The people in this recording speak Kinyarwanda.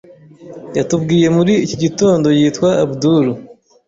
Yatubwiye muri iki gitondo yitwa Abdul.